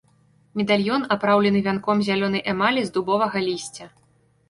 Медальён апраўлены вянком зялёнай эмалі з дубовага лісця.